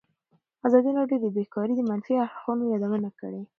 ازادي راډیو د بیکاري د منفي اړخونو یادونه کړې.